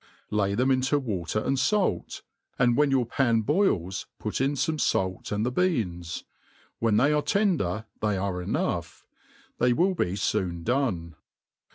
Lay them int<> water and fait, and when your pan boils put in fome fak and the beans; when they are tender they are enough ; they will be foon done.